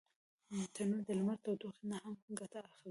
تنور د لمر د تودوخي نه هم ګټه اخلي